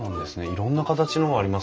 いろんな形のがありますね。